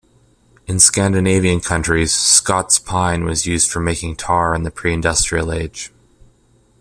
In Scandinavian countries, Scots pine was used for making tar in the preindustrial age.